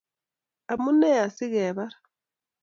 amune asikebar?